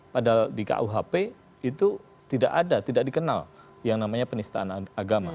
padahal di kuhp itu tidak ada tidak dikenal yang namanya penistaan agama